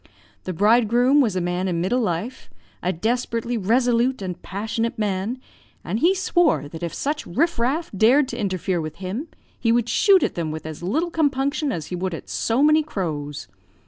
The bridegroom was a man in middle life, a desperately resolute and passionate man, and he swore that if such riff raff dared to interfere with him, he would shoot at them with as little compunction as he would at so many crows.